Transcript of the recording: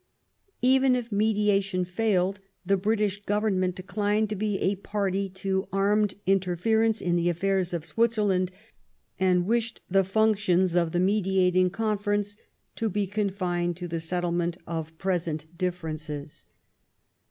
Even if me diation failed, the British Government declined to be a party to armed interference in the affairs of Switzer land, and wished the functions of the mediating Con ference to be confined to the settlement of present differences :— 8 ♦ 116 LIFE OF VISCOUNT PALMSB8T0N.